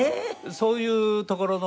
そういうところのですね